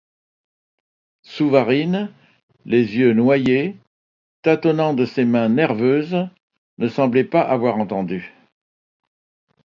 Souvarine, les yeux noyés, tâtonnant de ses mains nerveuses, ne semblait pas avoir entendu.